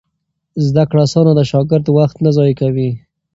زده کړه اسانه ده، شاګرد وخت نه ضایع کوي.